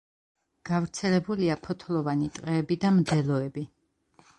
გავრცელებულია ფოთლოვანი ტყეები და მდელოები.